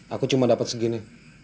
aku cuma dapat segini